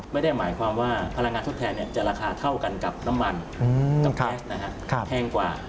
ไม่ได้หมายความว่าพลังงานทดแทนจะราคาเท่ากันกับน้ำมันกับแก๊สแพงกว่า